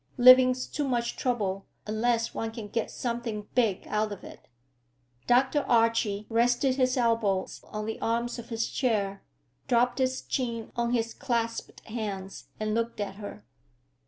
"Living's too much trouble unless one can get something big out of it." Dr. Archie rested his elbows on the arms of his chair, dropped his chin on his clasped hands and looked at her.